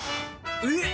えっ！